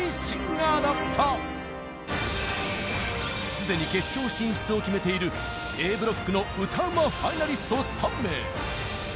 すでに決勝進出を決めているＡブロックの歌うまファイナリスト３名。